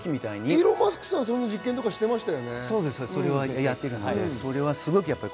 イーロン・マスクさん、そういう実験してましたよね。